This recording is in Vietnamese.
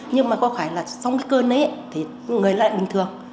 nhưng mà có phải là xong cái cơn ấy thì người lại bình thường